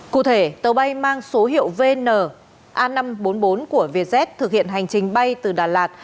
cụ thể tàu bay mang số hiệu vn a năm trăm bốn mươi bốn của vietjet thực hiện hành trình bay từ đà lạt